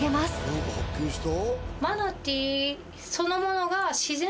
何か発見した？